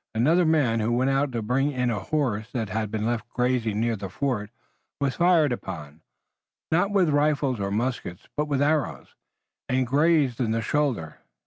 Another man who went out to bring in a horse that had been left grazing near the fort was fired upon, not with rifles or muskets but with arrows, and grazed in the shoulder.